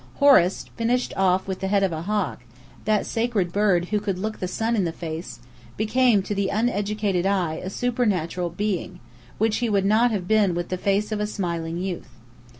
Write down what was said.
Horus, finished off with the head of a hawk (that sacred bird who could look the sun in the face), became to the uneducated eye a supernatural being, which he would not have been with the face of a smiling youth.